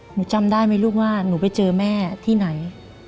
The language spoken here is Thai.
จำได้ไหมลูกว่าหนูไปเจอแม่ที่ไหน